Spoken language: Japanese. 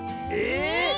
ええ！